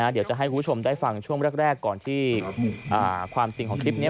เดี๋ยวจะให้คุณผู้ชมได้ฟังช่วงแรกก่อนที่ความจริงของคลิปนี้